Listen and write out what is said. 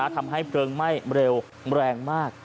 ทำให้ผลไม่เร็วแรงมาก